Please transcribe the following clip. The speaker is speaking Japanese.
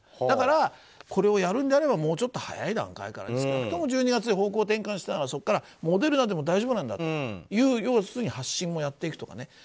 だからこれをやるんであればもうちょっと早い段階から少なくとも１２月に方向転換したならそこからモデルナでも大丈夫なんだという発信もやっていくとかね。